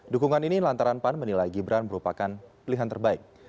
dukungan ini lantaran pan menilai gibran merupakan pilihan terbaik